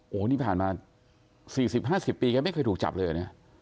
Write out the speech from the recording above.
โหนี่ผ่านมา๔๐๕๐ปีแกไม่เคยถูกจับเลยอ่ะเนี่ย